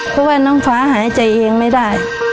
เพราะว่าน้องฟ้าหายใจเองไม่ได้